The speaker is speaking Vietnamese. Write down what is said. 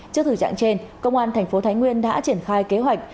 trước thử trạng trên công an thành phố thái nguyên đã triển khai kế hoạch